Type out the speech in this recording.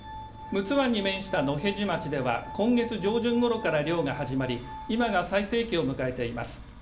陸奥湾に面した野辺地町では今月上旬ごろから漁が始まり今が最盛期を迎えています。